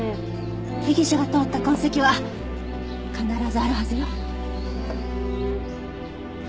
被疑者が通った痕跡は必ずあるはずよ。